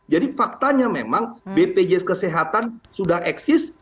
jadi faktanya memang bpjs kesehatan sudah eksis